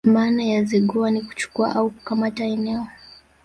Maana ya Zigua ni kuchukua au kukamata eneo